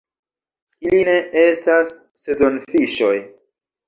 Ili ne estas sezonfiŝoj.